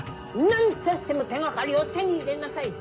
何としても手掛かりを手に入れなさい！